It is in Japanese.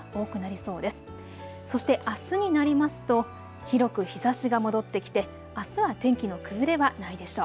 そして、あすになりますと広く日ざしが戻ってきてあすは天気の崩れはないでしょう。